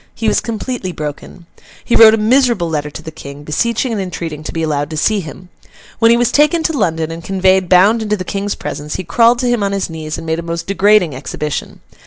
He was completely broken. He wrote a miserable letter to the King, beseeching and entreating to be allowed to see him. When he was taken to London, and conveyed bound into the King's presence, he crawled to him on his knees, and made a most degrading exhibition.